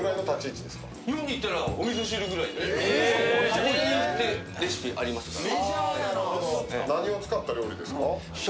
家庭によってレシピありますから。